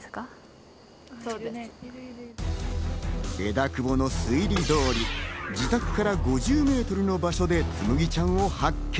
枝久保の推理通り、自宅から５０メートルの場所で、つむぎちゃんを発見。